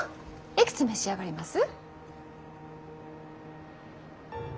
いくつ召し上がります？